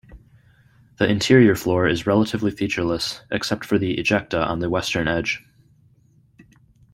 The interior floor is relatively featureless, except for the ejecta on the western edge.